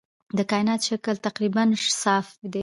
د کائنات شکل تقریباً صاف دی.